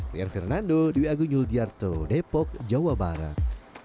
rian fernando dwi agung yuldiarto depok jawa barat